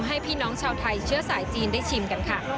ให้พี่น้องชาวไทยเชื้อสายจีนได้ชิมกันค่ะ